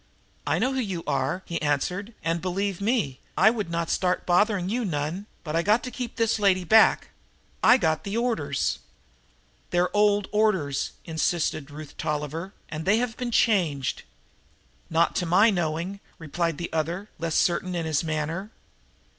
"I know who you are," he answered, "and, believe me, I would not start bothering you none, but I got to keep this lady back. I got the orders." "They're old orders," insisted Ruth Tolliver, "and they have been changed." "Not to my knowing," replied the other, less certain in his manner.